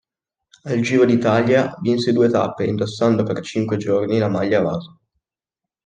Al Giro d'Italia vinse due tappe, indossando per cinque giorni la maglia rosa.